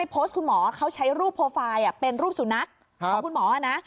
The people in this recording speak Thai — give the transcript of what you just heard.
โพสต์คุณหมอเขาใช้รูปโปรไฟล์เป็นรูปสุนัขของคุณหมอนะ